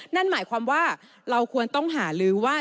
นั่นหมายความว่าเราควรต้องหาลือว่า